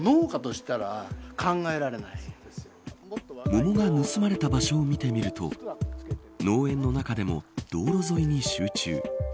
桃が盗まれた場所を見てみると農園の中でも道路沿いに集中。